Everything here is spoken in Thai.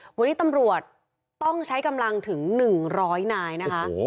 เมื่อที่ตำรวจต้องใช้กำลังถึง๑๐๐นายนะครับ